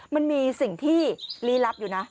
มันมีสิ่งที่ลี้ลับอยู่นะ